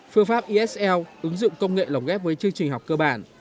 phương pháp esl ứng dụng công nghệ lồng ghép với chương trình học cơ bản